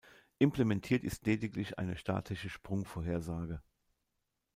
Implementiert ist lediglich eine statische Sprungvorhersage.